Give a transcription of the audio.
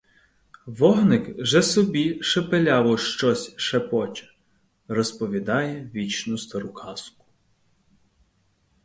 Вогник же собі шепеляво щось шепоче, розповідає вічну стару казку.